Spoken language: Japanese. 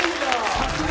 さすが！